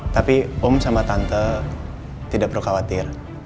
tapi om sama tante tidak berkhawatir